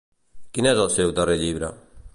Quin és el seu darrer llibre?